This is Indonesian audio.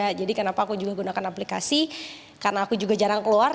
aku juga sudah menggunakan aplikasi karena aku juga jarang keluar